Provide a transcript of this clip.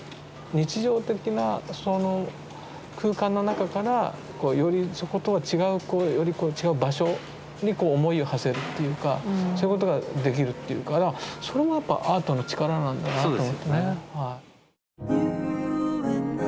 日常的なその空間の中からよりそことは違う場所に思いをはせるというかそういうことができるというかそれもアートの力なんだなと思ってね。